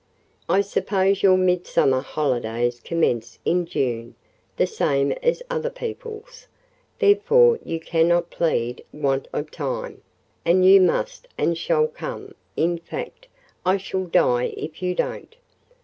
I suppose your Midsummer holidays commence in June, the same as other people's; therefore you cannot plead want of time; and you must and shall come—in fact, I shall die if you don't.